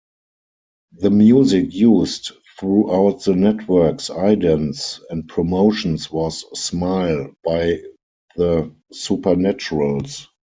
The music used throughout the network's idents and promotions was "Smile" by The Supernaturals.